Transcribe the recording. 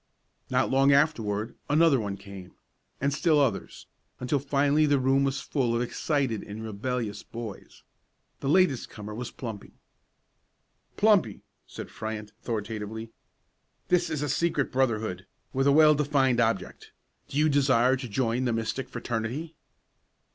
Not long afterward another one came, and still others, until finally the room was full of excited and rebellious boys. The latest comer was Plumpy. "Plumpy," said Fryant, authoritatively, "this is a secret brotherhood, with a well defined object. Do you desire to join the mystic fraternity?"